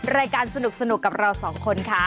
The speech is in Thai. รายการสนุกกับเราสองคนค่ะ